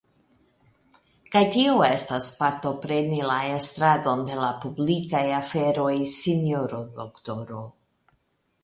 Kaj tio estas partopreni la estradon de la publikaj aferoj, sinjoro doktoro.